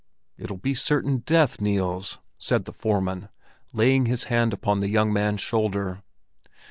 "It'll be certain death, Niels!" said the foreman, laying his hand upon the young man's shoulder.